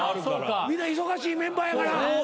みんな忙しいメンバーやから。